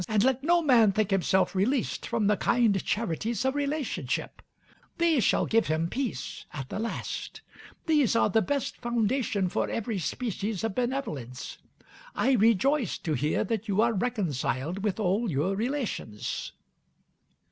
and let no man think himself released from the kind charities of relationship: these shall give him peace at the last; these are the best foundation for every species of benevolence. I rejoice to hear that you are reconciled with all your relations."